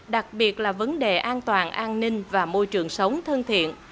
đặc biệt là vấn đề an toàn an ninh và môi trường sống thân thiện